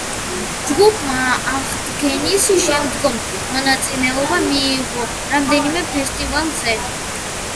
ჯგუფმა აღდგენის შემდგომ მონაწილეობა მიიღო რამდენიმე ფესტივალზე.